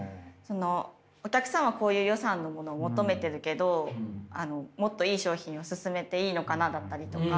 お客さんはこういう予算のものを求めてるけどもっといい商品を勧めていいのかなだったりとか。